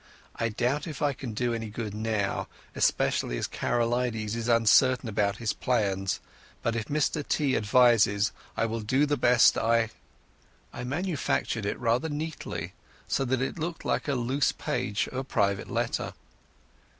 I doubt if I can do any good now, especially as Karolides is uncertain about his plans. But if Mr T. advises I will do the best I...." I manufactured it rather neatly, so that it looked like a loose page of a private letter.